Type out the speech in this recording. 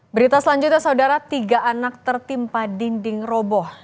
berita selanjutnya saudara tiga anak tertimpa dinding roboh